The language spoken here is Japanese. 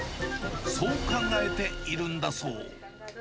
そう考えているんだそう。